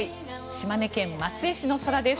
島根県松江市の空です。